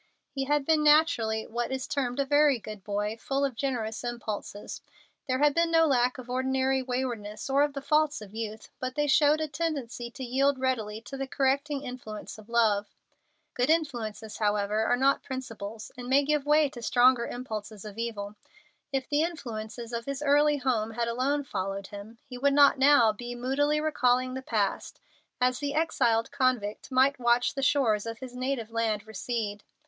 He had been naturally what is termed a very good boy, full of generous impulses. There had been no lack of ordinary waywardness or of the faults of youth, but they showed a tendency to yield readily to the correcting influence of love. Good impulses, however, are not principles, and may give way to stronger impulses of evil. If the influences of his early home had alone followed him, he would not now be moodily recalling the past as the exiled convict might watch the shores of his native land recede.